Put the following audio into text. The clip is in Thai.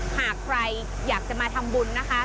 หากใครอยากจะมาทำบุญนะคะ